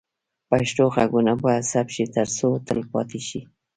پښتو غږونه باید ثبت شي ترڅو تل پاتې شي.